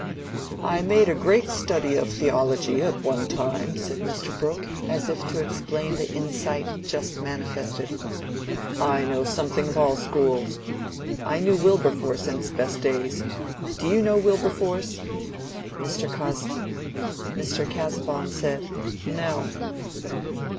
"I made a great study of theology at one time," said Mr. Brooke, as if to explain the insight just manifested. "I know something of all schools. I knew Wilberforce in his best days. Do you know Wilberforce?" Mr. Casaubon said, "No."